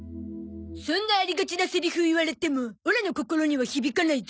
そんなありがちなセリフ言われてもオラの心には響かないゾ。